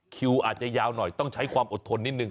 คิวอาจจะยาวหน่อยต้องใช้ความอดทนนิดนึ